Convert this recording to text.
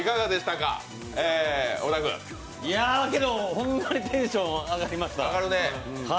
ほんまにテンション上がりました。